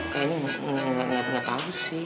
kayaknya nggak tau sih